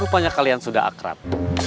rupanya kalian sudah akrab